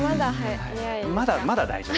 まだまだ大丈夫。